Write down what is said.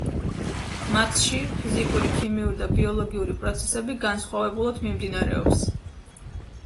მათში ფიზიკური, ქიმიური და ბიოლოგიური პროცესები განსხვავებულად მიმდინარეობს.